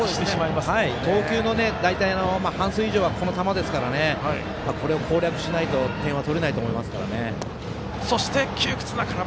投球の大体の半数以上はこの球ですからこれを攻略しないと点は取れないと思いますからね。